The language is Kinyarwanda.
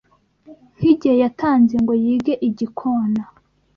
nkigihe yatanze ngo yige igikona